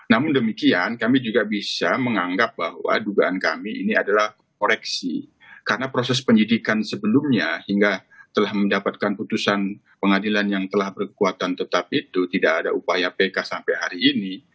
namun demikian kami juga bisa menganggap bahwa dugaan kami ini adalah koreksi karena proses penyidikan sebelumnya hingga telah mendapatkan putusan pengadilan yang telah berkekuatan tetap itu tidak ada upaya pk sampai hari ini